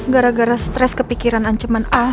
gara gara stress kepikiran ancaman al